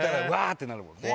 ってなるもんね。